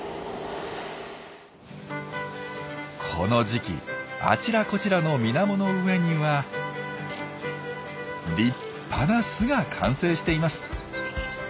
この時期あちらこちらのみなもの上には立派な巣が完成しています。